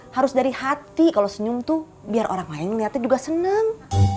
harus dari hati kalo senyum tuh biar orang lain liatnya juga seneng